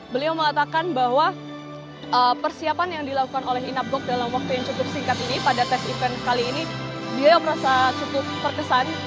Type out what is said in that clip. beliau mengatakan bahwa persiapan yang dilakukan oleh inapgok dalam waktu yang cukup singkat ini pada tes event kali ini dia merasa cukup terkesan